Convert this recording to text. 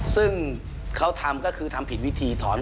ซึ่งเขาทำก็คือทำผิดวิธีถอน